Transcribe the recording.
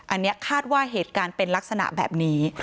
อันนี้คาดว่าเหตุการณ์เป็นลักษณะแบบนี้